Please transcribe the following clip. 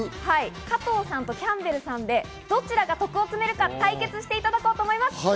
加藤さんとキャンベルさんで、どちらが徳を詰めるか対決していただこうと思います。